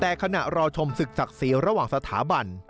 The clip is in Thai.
แต่ขณะรอชมศึกศักดิ์ศรีระหว่างสถาบัน